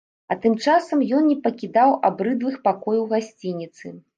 А тым часам ён не пакідаў абрыдлых пакояў гасцініцы.